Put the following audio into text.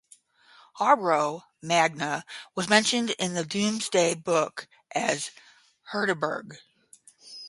Harborough Magna was mentioned in the Domesday Book as "Herdeberge".